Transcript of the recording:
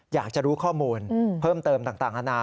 อยากจะรู้ข้อมูลเพิ่มเติมต่างอาณา